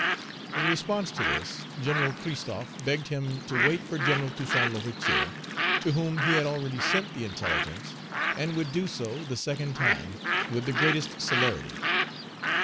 In response to this, Gen. Christophe begged him to wait for Gen. Toussaint L'Ouverture, to whom he had already sent the intelligence, and would do so the second time, with the greatest celerity.